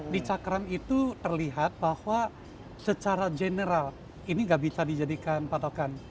di cakram itu terlihat bahwa secara general ini nggak bisa dijadikan patokan